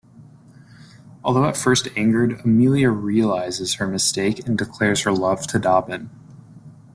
Although at first angered, Amelia realizes her mistake and declares her love to Dobbin.